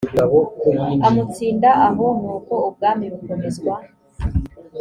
amutsinda aho nuko ubwami bukomezwa